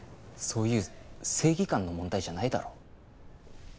そういう正義感の問題じゃないだろ。